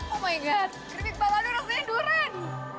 oh my god keripik papanu rasanya duran